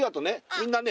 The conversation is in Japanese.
みんなね